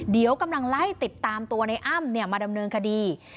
เดี๋ยวกำลังไล่ติดตามตัวในอ้ำมาดำเนินคดี